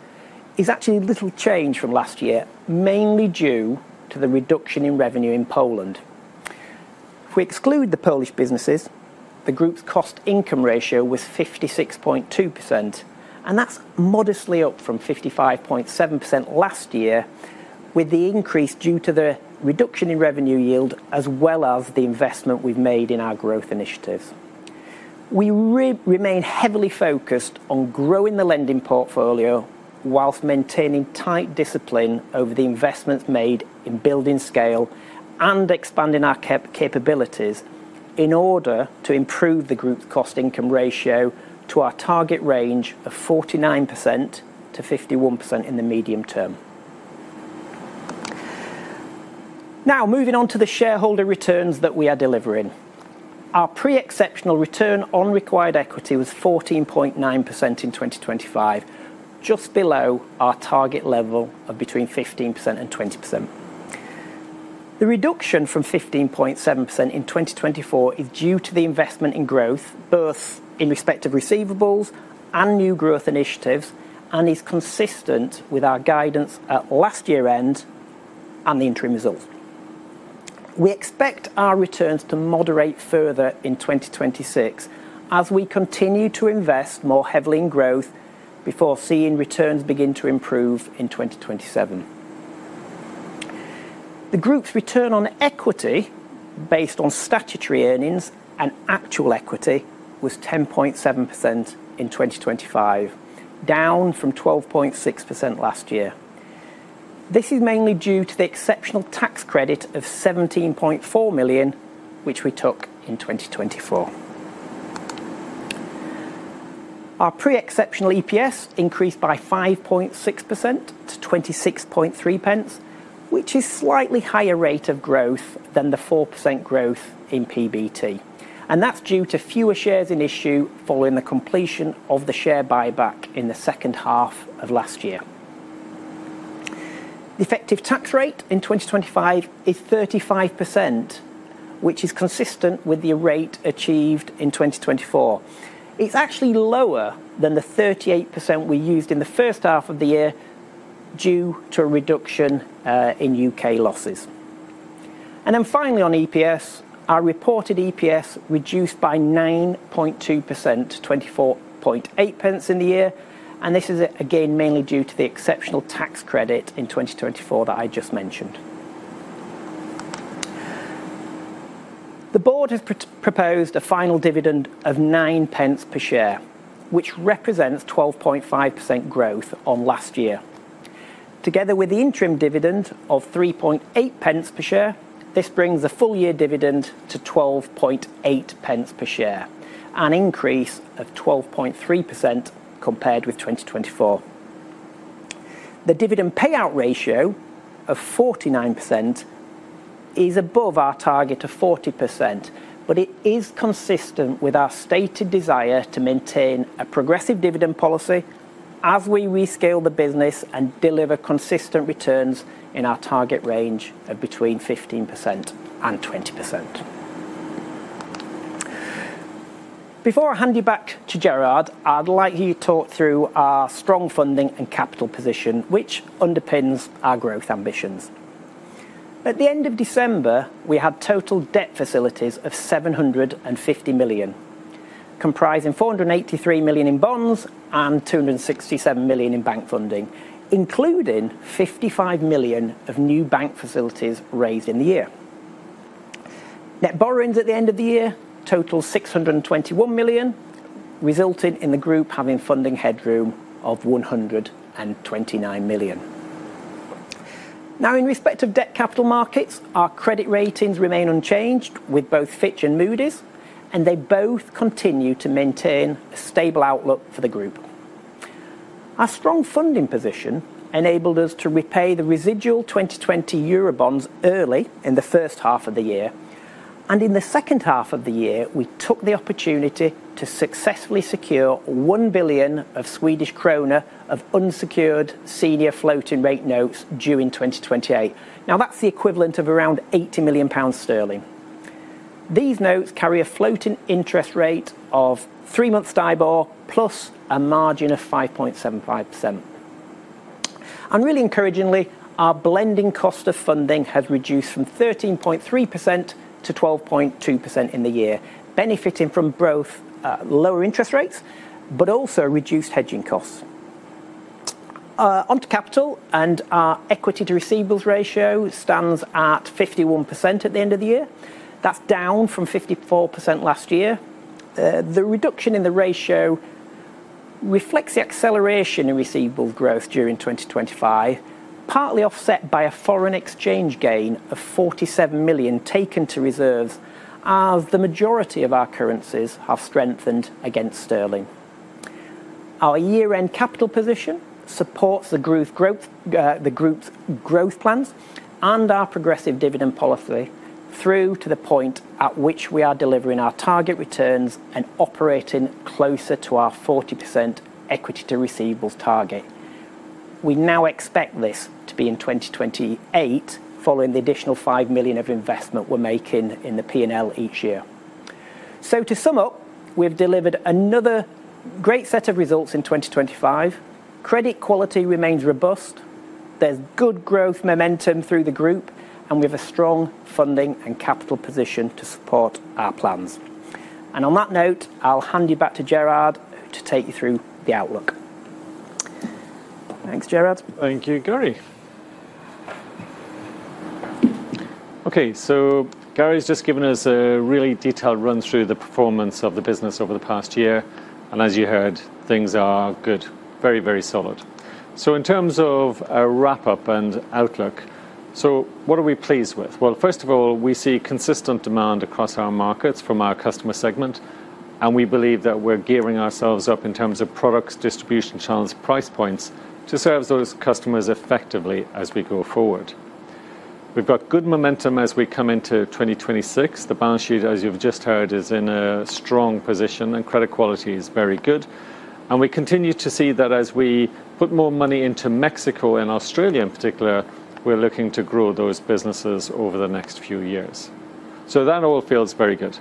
is actually little change from last year, mainly due to the reduction in revenue in Poland. If we exclude the Polish businesses, the group's cost-income ratio was 56.2%, and that's modestly up from 55.7% last year, with the increase due to the reduction in revenue yield as well as the investment we've made in our growth initiatives. We remain heavily focused on growing the lending portfolio whilst maintaining tight discipline over the investments made in building scale and expanding our capabilities in order to improve the group's cost-income ratio to our target range of 49%-51% in the medium term. Moving on to the shareholder returns that we are delivering. Our pre-exceptional return on required equity was 14.9% in 2025, just below our target level of between 15% and 20%. The reduction from 15.7% in 2024 is due to the investment in growth, both in respect of receivables and new growth initiatives, and is consistent with our guidance at last year-end and the interim results. We expect our returns to moderate further in 2026 as we continue to invest more heavily in growth before seeing returns begin to improve in 2027. The group's return on equity based on statutory earnings and actual equity was 10.7% in 2025, down from 12.6% last year. This is mainly due to the exceptional tax credit of 17.4 million, which we took in 2024. Our pre-exceptional EPS increased by 5.6% to 26.3, which is slightly higher rate of growth than the 4% growth in PBT, and that's due to fewer shares in issue following the completion of the share buyback in the second half of last year. The effective tax rate in 2025 is 35%, which is consistent with the rate achieved in 2024. It's actually lower than the 38% we used in the first half of the year, due to a reduction in U.K. losses. Finally, on EPS, our reported EPS reduced by 9.2% to 24.8 in the year, and this is, again, mainly due to the exceptional tax credit in 2024 that I just mentioned. The board has proposed a final dividend of 0.09 per share, which represents 12.5% growth on last year. Together with the interim dividend of 0.038 per share, this brings the full year dividend to 0.128 per share, an increase of 12.3% compared with 2024. The dividend payout ratio of 49% is above our target of 40%. It is consistent with our stated desire to maintain a progressive dividend policy as we rescale the business and deliver consistent returns in our target range of between 15% and 20%. Before I hand you back to Gerard, I'd like you to talk through our strong funding and capital position, which underpins our growth ambitions. At the end of December, we had total debt facilities of 750 million, comprising 483 million in bonds and 267 million in bank funding, including 55 million of new bank facilities raised in the year. Net borrowings at the end of the year total 621 million, resulting in the group having funding headroom of 129 million. In respect of debt capital markets, our credit ratings remain unchanged with both Fitch and Moody's, and they both continue to maintain a stable outlook for the group. Our strong funding position enabled us to repay the residual 2020 EUR bonds early in the first half of the year. In the second half of the year, we took the opportunity to successfully secure 1 billion of unsecured senior floating rate notes due in 2028. That's the equivalent of around 80 million pounds. These notes carry a floating interest rate of three-month STIBOR, plus a margin of 5.75%. Really encouragingly, our blending cost of funding has reduced from 13.3%-12.2% in the year, benefiting from both lower interest rates, but also reduced hedging costs. Onto capital, our equity to receivables ratio stands at 51% at the end of the year. That's down from 54% last year. The reduction in the ratio reflects the acceleration in receivable growth during 2025, partly offset by a foreign exchange gain of 47 million taken to reserves, as the majority of our currencies have strengthened against sterling. Our year-end capital position supports the group's growth plans and our progressive dividend policy through to the point at which we are delivering our target returns and operating closer to our 40% equity to receivables target. We now expect this to be in 2028, following the additional 5 million of investment we're making in the P&L each year. To sum up, we've delivered another great set of results in 2025. Credit quality remains robust, there's good growth momentum through the group, and we have a strong funding and capital position to support our plans. On that note, I'll hand you back to Gerard to take you through the outlook. Thanks, Gerard. Thank you, Gary. Okay, Gary's just given us a really detailed run-through of the performance of the business over the past year, and as you heard, things are good. Very, very solid. In terms of a wrap-up and outlook, what are we pleased with? Well, first of all, we see consistent demand across our markets from our customer segment, and we believe that we're gearing ourselves up in terms of products, distribution channels, price points, to serve those customers effectively as we go forward. We've got good momentum as we come into 2026. The balance sheet, as you've just heard, is in a strong position, and credit quality is very good. We continue to see that as we put more money into Mexico and Australia in particular, we're looking to grow those businesses over the next few years. That all feels very good.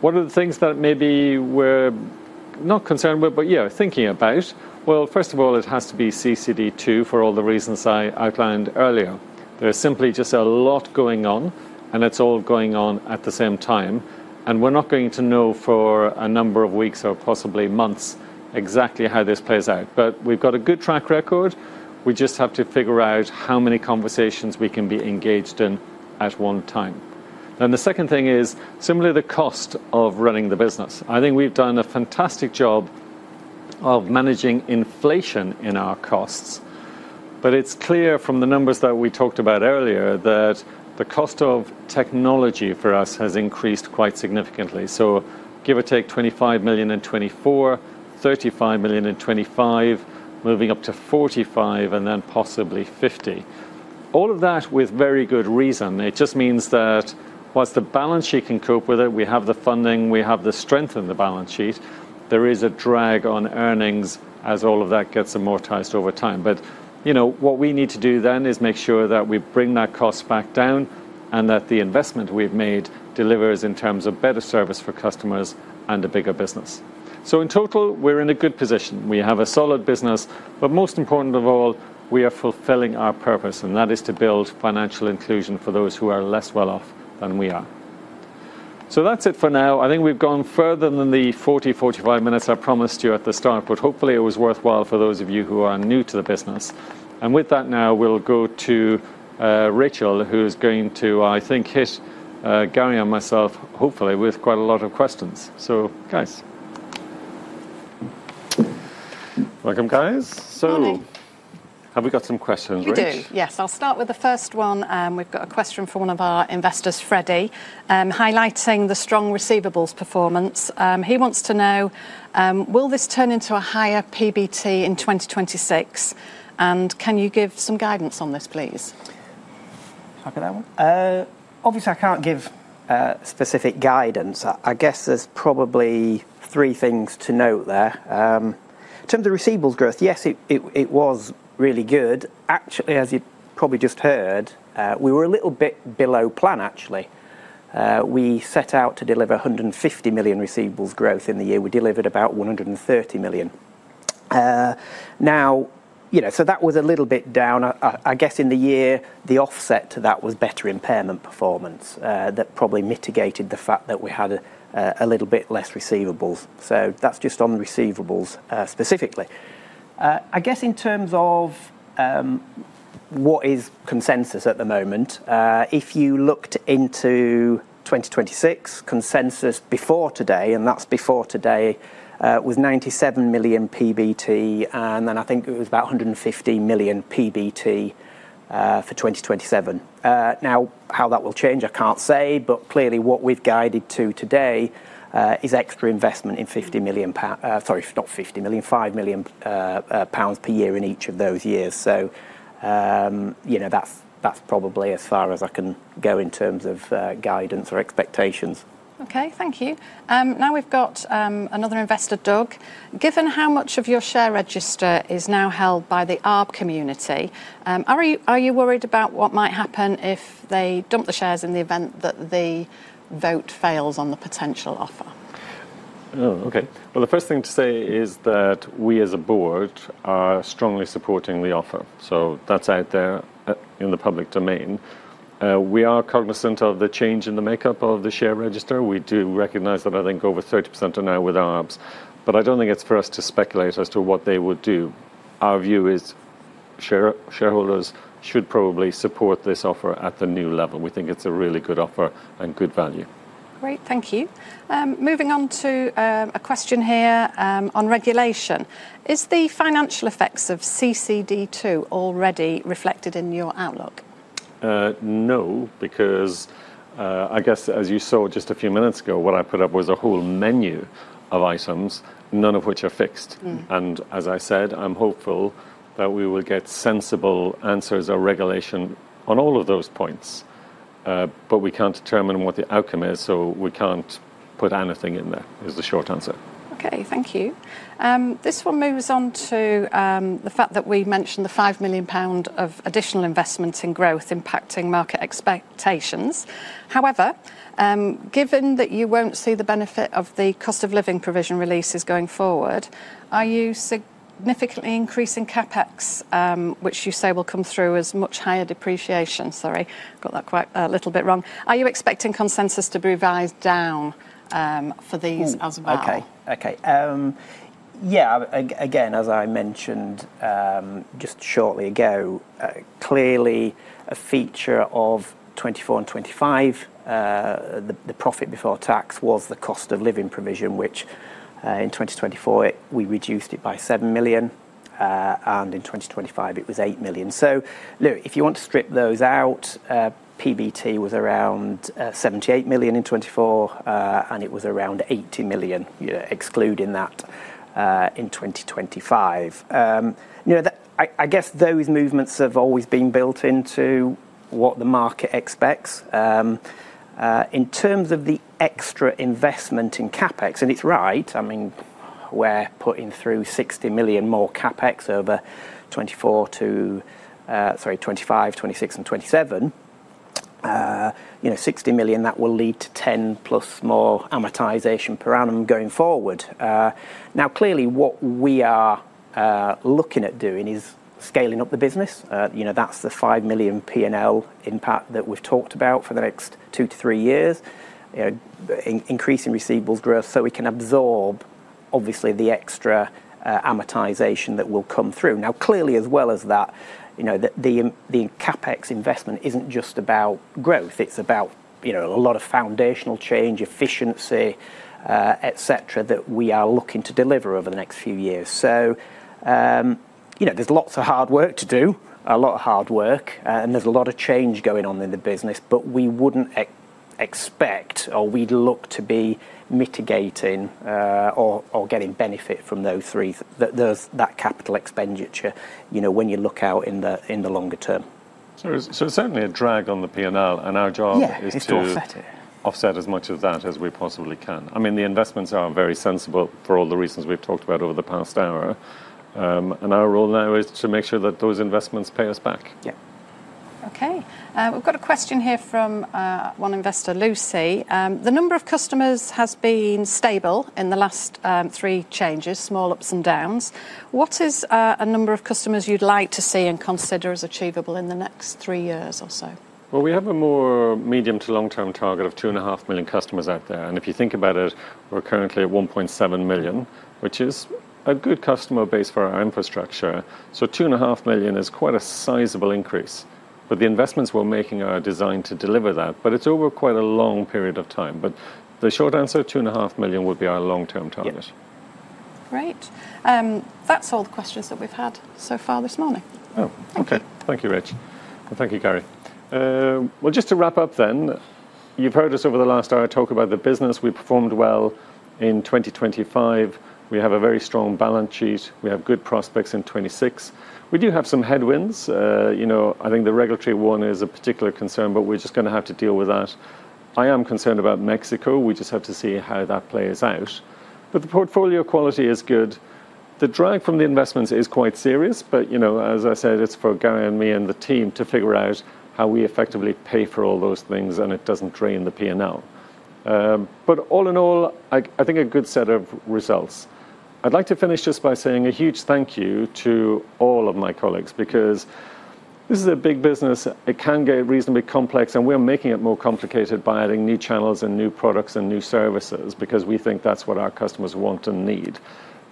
What are the things that maybe we're not concerned about, but, yeah, thinking about? Well, first of all, it has to be CCD2, for all the reasons I outlined earlier. There is simply just a lot going on, and it's all going on at the same time, and we're not going to know for a number of weeks or possibly months exactly how this plays out. We've got a good track record, we just have to figure out how many conversations we can be engaged in at one time. The second thing is, similarly, the cost of running the business. I think we've done a fantastic job of managing inflation in our costs, but it's clear from the numbers that we talked about earlier, that the cost of technology for us has increased quite significantly. Give or take, 25 million in 2024, 35 million in 2025, moving up to 45 million, and then possibly 50 million. All of that with very good reason. It just means that whilst the balance sheet can cope with it, we have the funding, we have the strength in the balance sheet, there is a drag on earnings as all of that gets amortized over time. You know, what we need to do then, is make sure that we bring that cost back down, and that the investment we've made delivers in terms of better service for customers and a bigger business. In total, we're in a good position. We have a solid business, but most important of all, we are fulfilling our purpose, and that is to build financial inclusion for those who are less well off than we are. That's it for now. I think we've gone further than the 40, 45 minutes I promised you at the start, but hopefully it was worthwhile for those of you who are new to the business. With that now, we'll go to Rachel, who is going to, I think, hit Gary and myself, hopefully, with quite a lot of questions. Guys. Welcome, guys. Morning. Have we got some questions, Rach? We do, yes. I'll start with the first one. We've got a question from one of our investors, Freddy. Highlighting the strong receivables performance, he wants to know, will this turn into a higher PBT in 2026? Can you give some guidance on this, please? Can I have that one? Obviously, I can't give specific guidance. I guess there's probably three things to note there. In terms of receivables growth, yes, it was really good. Actually, as you probably just heard, we were a little bit below plan, actually. We set out to deliver 150 million receivables growth in the year, we delivered about 130 million. Now, you know, that was a little bit down. I guess in the year, the offset to that was better impairment performance, that probably mitigated the fact that we had a little bit less receivables. That's just on receivables specifically. I guess in terms of what is consensus at the moment, if you looked into 2026 consensus before today, and that's before today, it was 97 million PBT, and then I think it was about 115 million PBT for 2027. How that will change, I can't say, but clearly what we've guided to today is extra investment in 5 million pounds per year in each of those years. you know, that's probably as far as I can go in terms of guidance or expectations. Okay. Thank you. Now we've got another investor, Doug. Given how much of your share register is now held by the ARB community, are you worried about what might happen if they dump the shares in the event that the vote fails on the potential offer? Oh, okay. Well, the first thing to say is that we, as a board, are strongly supporting the offer, so that's out there in the public domain. We are cognizant of the change in the makeup of the share register. We do recognize that, I think, over 30% are now with ARBs, but I don't think it's for us to speculate as to what they would do. Our view is shareholders should probably support this offer at the new level. We think it's a really good offer and good value. Great, thank you. Moving on to a question here on regulation. Is the financial effects of CCD2 already reflected in your outlook? No, because, I guess, as you saw just a few minutes ago, what I put up was a whole menu of items, none of which are fixed. Mm. As I said, I'm hopeful that we will get sensible answers or regulation on all of those points. We can't determine what the outcome is, so we can't put anything in there, is the short answer. Okay, thank you. This one moves on to the fact that we mentioned the 5 million pound of additional investment in growth impacting market expectations. However, given that you won't see the benefit of the cost of living provision releases going forward, are you significantly increasing CapEx, which you say will come through as much higher depreciation? Sorry, got that quite a little bit wrong. Are you expecting consensus to be revised down for these as well? Okay. Again, as I mentioned, just shortly ago, clearly, a feature of 2024 and 2025, the profit before tax was the cost of living provision, which in 2024, we reduced it by 7 million, and in 2025, it was 8 million. If you want to strip those out, PBT was around 78 million in 2024, and it was around 80 million, excluding that, in 2025. You know, I guess those movements have always been built into what the market expects. In terms of the extra investment in CapEx, and it's right, I mean, we're putting through 60 million more CapEx over 2024 to, sorry, 2025, 2026, and 2027. You know, 60 million, that will lead to 10-plus more amortization per annum going forward. Now, clearly, what we are looking at doing is scaling up the business. You know, that's the 5 million P&L impact that we've talked about for the next two to three years. Increasing receivables growth, so we can absorb, obviously, the extra amortization that will come through. Now, clearly, as well as that, you know, the CapEx investment isn't just about growth, it's about, you know, a lot of foundational change, efficiency, et cetera, that we are looking to deliver over the next few years. So, you know, there's lots of hard work to do, a lot of hard work, and there's a lot of change going on in the business, but we wouldn't expect or we'd look to be mitigating, or getting benefit from those three. Those, that capital expenditure, you know, when you look out in the, in the longer term. Certainly a drag on the P&L. Yeah, is to offset it. Is to offset as much of that as we possibly can. I mean, the investments are very sensible for all the reasons we've talked about over the past hour. Our role now is to make sure that those investments pay us back. Yeah. Okay. We've got a question here from one investor, Lucy. The number of customers has been stable in the last three changes, small ups and downs. What is a number of customers you'd like to see and consider as achievable in the next three years or so? We have a more medium to long-term target of two and a half million customers out there, and if you think about it, we're currently at 1.7 million, which is a good customer base for our infrastructure. Two and a half million is quite a sizable increase. The investments we're making are designed to deliver that. It's over quite a long period of time. The short answer, two and a half million would be our long-term target. Yeah. Great. That's all the questions that we've had so far this morning. Oh, okay. Thank you. Thank you, Rach, and thank you, Gary. Well, just to wrap up then, you've heard us over the last hour talk about the business. We performed well in 2025. We have a very strong balance sheet. We have good prospects in 2026. We do have some headwinds. You know, I think the regulatory one is a particular concern, but we're just gonna have to deal with that. I am concerned about Mexico. We just have to see how that plays out. The portfolio quality is good. The drag from the investments is quite serious, but, you know, as I said, it's for Gary, and me, and the team to figure out how we effectively pay for all those things, and it doesn't drain the P&L. All in all, I think a good set of results. I'd like to finish just by saying a huge thank you to all of my colleagues because this is a big business, it can get reasonably complex, and we're making it more complicated by adding new channels, and new products, and new services because we think that's what our customers want and need.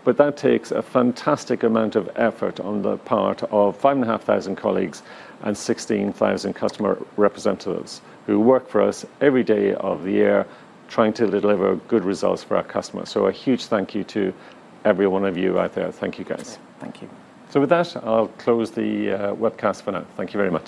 That takes a fantastic amount of effort on the part of 5,500 colleagues and 16,000 customer representatives, who work for us every day of the year, trying to deliver good results for our customers. A huge thank you to every one of you out there. Thank you, guys. Thank you. With that, I'll close the webcast for now. Thank you very much.